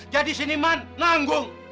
jadi siniman nanggung